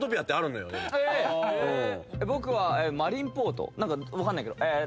僕はマリンポート何か分かんないけどえ